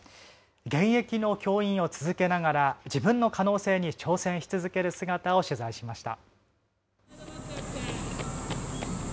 現役の教員を続けながら自分の可能性に挑戦し続ける姿を取材しました。